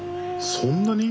そんなに？